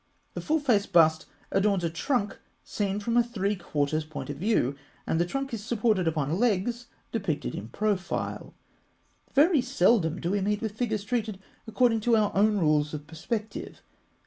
The full face bust adorns a trunk seen from a three quarters point of view, and this trunk is supported upon legs depicted in profile. Very seldom do we meet with figures treated according to our own rules of perspective.